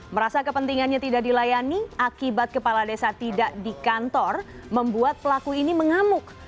merasa kepentingannya tidak dilayani akibat kepala desa tidak di kantor membuat pelaku ini mengamuk